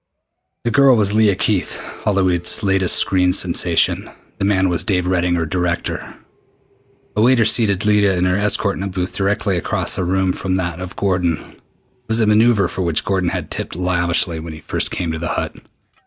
The girl was Leah Keith, Hollywood's latest screen sensation. The man was Dave Redding, her director. A waiter seated Leah and her escort in a booth directly across the room from that of Gordon. It was a maneuver for which Gordon had tipped lavishly when he first came to the Hut.